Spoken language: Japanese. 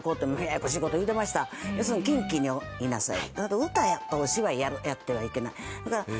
要するに近畿にいなさい。